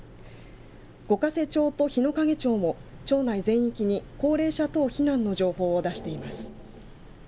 五ヶ瀬町と日之影町も町内全域に高齢者等避難の情報を出しています。